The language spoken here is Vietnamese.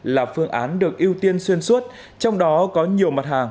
là phương án được ưu tiên xuyên suốt trong đó có nhiều mặt hàng